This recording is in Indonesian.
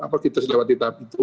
apa kita lewat di tahap itu